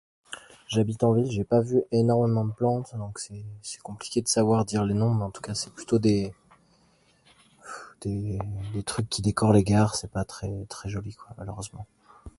J'habite en ville, j'ai pas vu énormément de plantes donc c'est... c'est compliqué de savoir, dire le nom mais en tous cas c'est plutôt des... des trucs qui décorent les gares, c'est pas très... très joli quoi malheureusement.